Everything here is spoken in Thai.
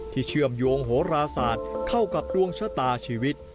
เชื่อมโยงโหราศาสตร์เข้ากับดวงชะตาชีวิต